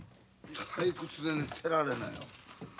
退屈で寝てられないわ。